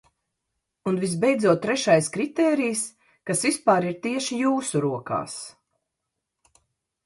Un visbeidzot trešais kritērijs, kas vispār ir tieši jūsu rokās.